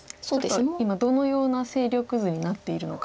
今どのような勢力図になっているのか。